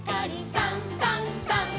「さんさんさん」